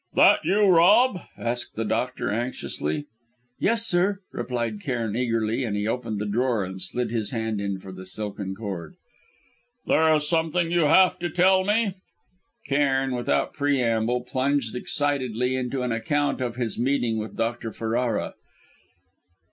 "That you, Rob?" asked the doctor anxiously. "Yes, sir," replied Cairn, eagerly, and he opened the drawer and slid his hand in for the silken cord. "There is something you have to tell me?" Cairn, without preamble, plunged excitedly into an account of his meeting with Ferrara.